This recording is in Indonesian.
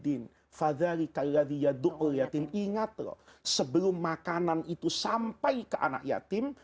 ingat loh sebelum makanan itu sampai ke anak yatim